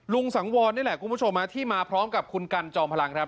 สังวรนี่แหละคุณผู้ชมที่มาพร้อมกับคุณกันจอมพลังครับ